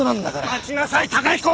待ちなさい崇彦！